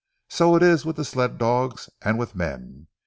So is it with ze sled dogs and with men!